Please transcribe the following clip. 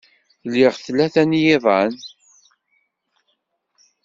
Liɣ tlata n yiḍan.